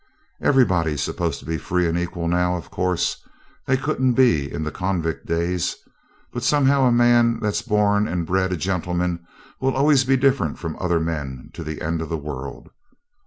Everybody's supposed to be free and equal now; of course, they couldn't be in the convict days. But somehow a man that's born and bred a gentleman will always be different from other men to the end of the world.